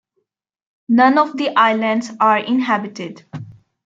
None of the islands are inhabited.